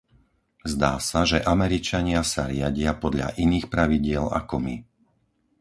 Zdá sa, že Američania sa riadia podľa iných pravidiel ako my.